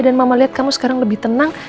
dan mama lihat kamu sekarang lebih tenang